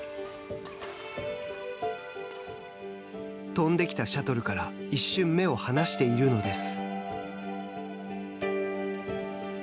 飛んできたシャトルから一瞬、目を離しているのです。